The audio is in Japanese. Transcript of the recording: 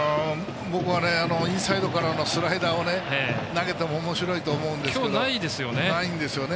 僕はインサイドからのスライダーを投げてもおもしろいと思うんですけどないんですよね